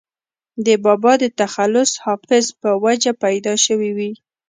دَبابا دَ تخلص “حافظ ” پۀ وجه پېدا شوې وي